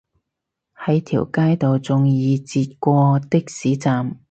喺條街度仲易截過的士站